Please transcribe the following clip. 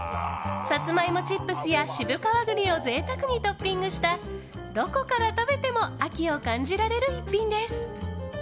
サツマイモチップスや渋皮栗を贅沢にトッピングしたどこから食べても秋を感じられる一品です。